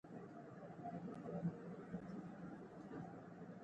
ایوب خان پر شا کېده.